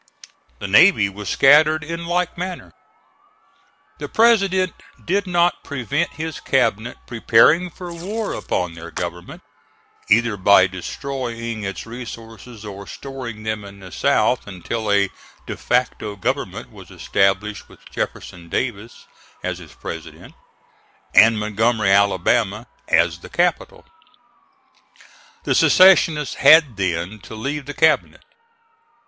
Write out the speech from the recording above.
The navy was scattered in like manner. The President did not prevent his cabinet preparing for war upon their government, either by destroying its resources or storing them in the South until a de facto government was established with Jefferson Davis as its President, and Montgomery, Alabama, as the Capital. The secessionists had then to leave the cabinet.